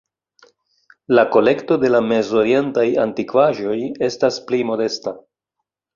La kolekto de la Mez-Orientaj antikvaĵoj estas pli modesta.